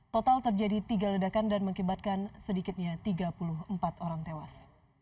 total terjadi tiga ledakan dan mengakibatkan sedikitnya tiga puluh empat orang tewas